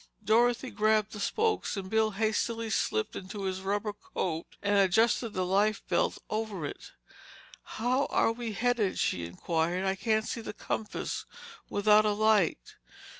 Dorothy grabbed the spokes and Bill hastily slipped into his rubber coat and adjusted the life belt over it. "How are we headed?" she inquired. "I can't see the compass without a light."